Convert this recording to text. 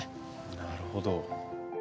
なるほど。